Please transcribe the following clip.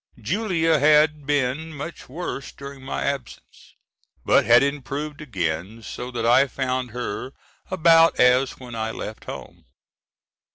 Julia had been much worse during my absence, but had improved again so that I found her about as when I left home.